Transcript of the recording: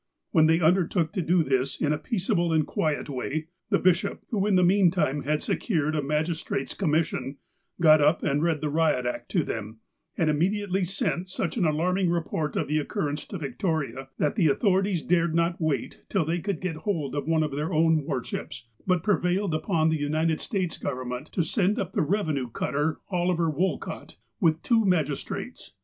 When they undertook to do this in a peaceable and quiet way, the bishop, who in the meantime had secured a magistrate's commission, got up and read the riot act to them, and immediately sent such an alarmiDg report of the occurrence to Victoria that the authorities dared not wait till they could get hold of one of their own war ^ Church Missionary Gleaner, No. 91, July, 1881, page 79. I THE SERPENT 2Y3 ships, but prevailed upon the United States Government to send up the revenue cutter, Oliver Wolcott, with two magistrates.